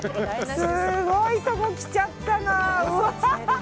すごいとこ来ちゃったな。